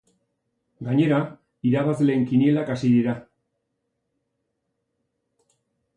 Gainera, irabazleen kinielak hasi dira.